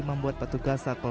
membuat petugas menangis